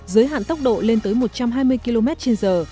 giới hạn tốc độ lên tới một trăm hai mươi km trên giờ